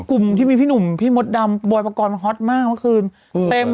กลุ่มที่มีพี่หนุ่มพี่มดดำบอยปกรณ์ฮอตมากเมื่อคืนเต็ม